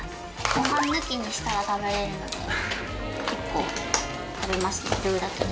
ご飯抜きにしたら食べれるので結構食べますルーだけで。